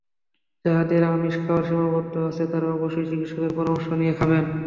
যাঁদের আমিষ খাওয়ায় সীমাবদ্ধতা আছে, তাঁরা অবশ্যই চিকিৎসকের পরামর্শ নিয়ে খাবেন।